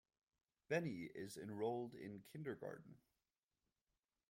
Benny is enrolled in kindergarten.